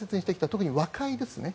特に和解ですね。